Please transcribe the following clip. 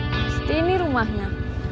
pasti ini rumahnya